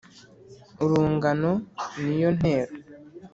urungano ni yo ntero